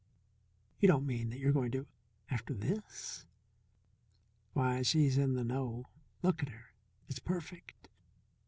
"You don't mean that you're going to After this? Why, she's in the know. Look at her. It's perfect!"